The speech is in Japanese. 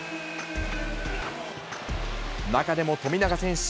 中でも富永選手